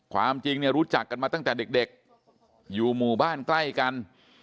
ความจริงเนี่ยรู้จักกันมาตั้งแต่เด็กอยู่หมู่บ้านใกล้กัน